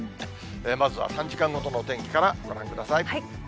まずは３時間ごとのお天気からご覧ください。